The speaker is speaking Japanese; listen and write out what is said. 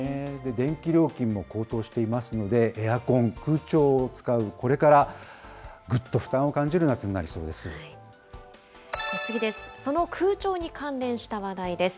電気料金も高騰していますので、エアコン、空調を使うこれから、ぐっと負担を感じる夏になりそうです。